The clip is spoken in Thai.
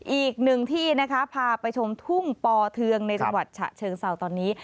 อีกหนึ่งที่นะคะพาไปชมทุ่งปอเทืองในจังหวัดฉะเชิงเศร้าตอนนี้